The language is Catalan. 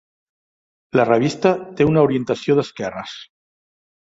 La revista té una orientació d'esquerres.